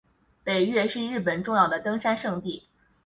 北岳是日本重要的登山圣地。